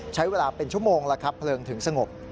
ใช้เวลาเป็นชั่วโมงเพลิงถึงสงบ